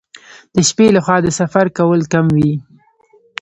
د شپې لخوا د سفر کول کم وي.